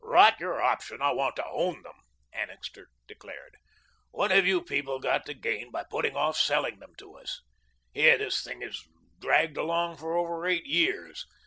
"Rot your option! I want to own them," Annixter declared. "What have you people got to gain by putting off selling them to us. Here this thing has dragged along for over eight years.